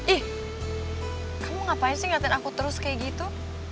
ih kamu ngapain sih ngeliatin aku terus kayak gitu